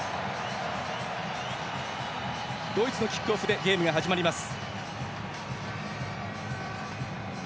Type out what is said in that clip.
ドイツのキックオフでゲームが始まります。